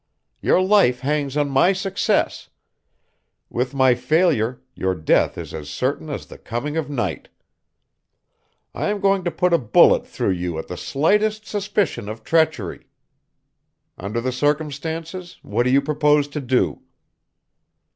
Your life hangs on my success; with my failure your death is as certain as the coming of night. I am going to put a bullet through you at the slightest suspicion of treachery. Under the circumstances what do you propose to do?"